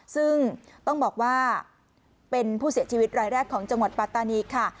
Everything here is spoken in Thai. ซึ่งต้องบอกว่าเป็นผู้เสียชีวิตรายแรกของจังหวัดปัตตานีค่ะ